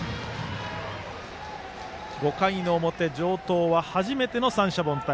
５回表、城東は初めての三者凡退。